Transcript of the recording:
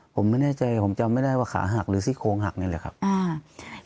ผมไม่แน่ใจผมจำไม่ได้ว่าขาหักหรือซี่โครงหักนี่แหละครับ